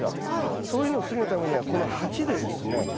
そういうのを防ぐためにはこの鉢でですね